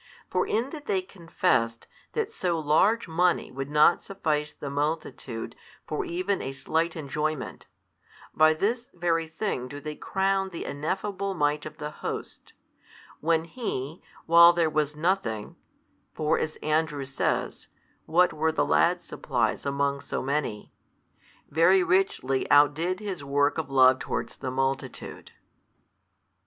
For in that they confessed that so large money would not suffice the multitude for even a slight enjoyment, by this very thing do they crown the Ineffable Might of the Host, when He, while there was nothing (for, as Andrew says, what were the lad's supplies among so many?) very richly outdid His work of love towards the multitude.